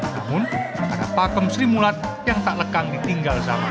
namun ada pakem sri mulat yang tak lekang ditinggal zaman